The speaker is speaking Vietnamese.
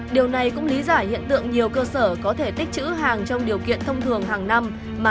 điều này cũng lý giải hiện tượng nhiều cơ sở có thể tích chữ hàng trong điều kiện thông thường hàng năm